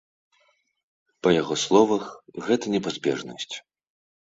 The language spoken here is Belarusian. Па яго словах, гэта непазбежнасць.